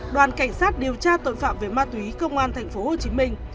đoàn cảnh sát điều tra tội phạm về ma túy công an thành phố hồ chí minh